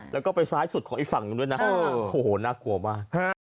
แล้วก็ไปซ้ายสุดของอีกฝั่งหนึ่งด้วยนะโอ้โหน่ากลัวมาก